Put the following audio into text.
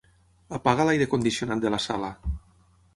Apaga l'aire condicionat de la sala.